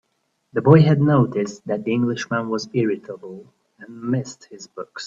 The boy had noticed that the Englishman was irritable, and missed his books.